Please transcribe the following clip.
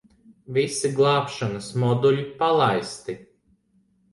Visi glābšanas moduļi palaisti.